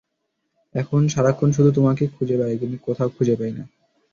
এখন সারাক্ষণ শুধু তোমাকেই খুঁজে বেড়াই কিন্তু কোথাও খুঁজে পাই না।